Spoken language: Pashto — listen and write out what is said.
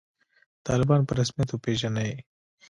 طالبان په رسمیت وپېژنئ